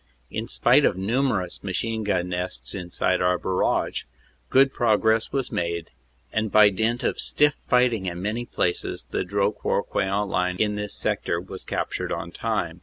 In spite of numerous machine gun nests inside our barrage, good progress was made, and by dint of stiff fighting in many places the Dro court Queant line in this sector was captured on time.